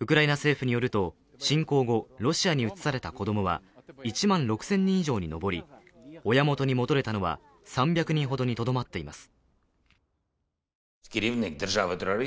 ウクライナ政府によると、侵攻後、ロシアに移された子供は１万６０００人以上に上り、親元に戻れたのは３００人ほどにとどまっています。